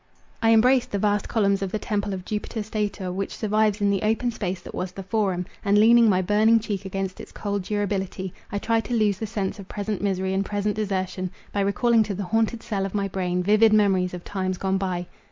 I embraced the vast columns of the temple of Jupiter Stator, which survives in the open space that was the Forum, and leaning my burning cheek against its cold durability, I tried to lose the sense of present misery and present desertion, by recalling to the haunted cell of my brain vivid memories of times gone by.